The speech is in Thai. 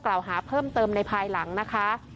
กล่าวหาเพิ่มเติมในทรภายหลังนะคะ